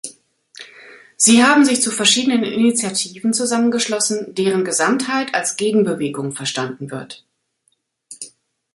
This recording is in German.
Sie haben sich zu verschiedenen Initiativen zusammengeschlossen, deren Gesamtheit als Gegenbewegung verstanden wird.